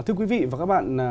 thưa quý vị và các bạn